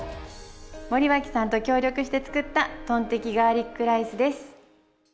森脇さんと協力して作ったトンテキガーリックライスです。